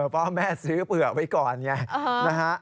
เพราะแม่ซื้อเปลือกไว้ก่อนไง